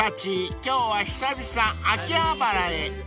今日は久々秋葉原へ］